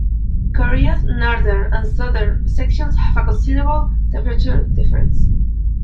Korea's northern and southern sections have a considerable temperature difference.